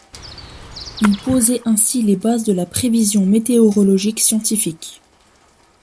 Il posait ainsi les bases de la prévision météorologique scientifique.